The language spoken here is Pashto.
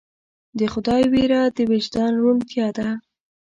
د خدای ویره د وجدان روڼتیا ده.